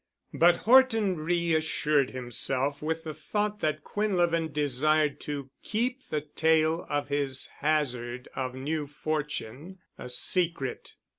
But Horton reassured himself with the thought that Quinlevin desired to keep the tale of his hazard of new fortune a secret.